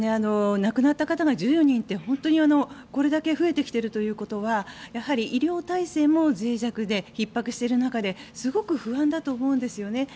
亡くなった方が１４人ということでこれだけ増えているというのはやはり、医療体制もぜい弱でひっ迫している中ですごく不安だと思うんですね。